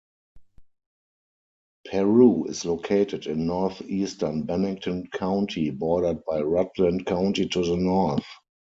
Peru is located in northeastern Bennington County, bordered by Rutland County to the north.